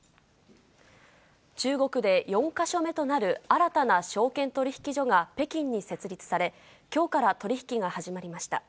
中国で４か所目となる新たな証券取引所が北京に設立され、きょうから取り引きが始まりました。